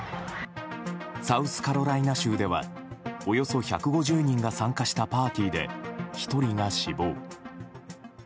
サウスカロライナ州ではおよそ１５０人が参加したパーティーで１人が死亡。